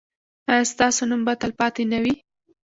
ایا ستاسو نوم به تلپاتې نه وي؟